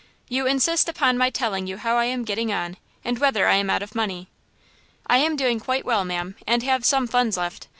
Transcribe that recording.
You insist upon my telling you how I am getting on, and whether I am out of money. I am doing quite well, ma'am, and have some funds left!